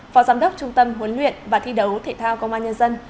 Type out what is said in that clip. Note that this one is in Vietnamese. phó giám đốc trung tâm huấn luyện và thi đấu thể thao công an nhân dân